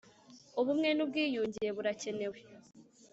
Ubumwe n ‘ubwiyunge burakenewe.